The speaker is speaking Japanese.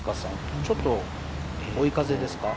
ちょっと追い風ですか？